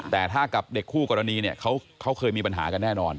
แต่ถ้ากับเด็กคู่กรณีเนี่ยเขาเคยมีปัญหากันแน่นอน